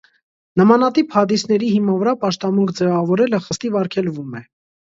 Նմանատիպ հադիսների հիման վրա պաշտամունք ձևավորելը խստիվ արգելվում է։